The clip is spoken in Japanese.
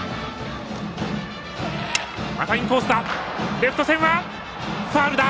レフト線はファウルだ。